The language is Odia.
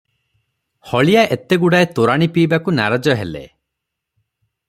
ହଳିଆ ଏତେଗୁଡ଼ାଏ ତୋରାଣୀ ପିଇବାକୁ ନାରାଜ ହେଲେ